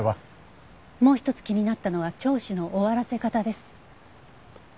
もう一つ気になったのは聴取の終わらせ方です。